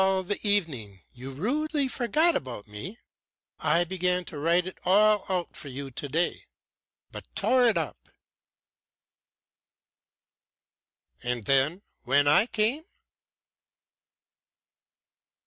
"All the evening you rudely forgot about me. I began to write it all out for you today, but tore it up." "And then, when I came?"